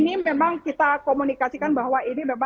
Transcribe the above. ini memang kita komunikasikan bahwa ini benar benar berhasil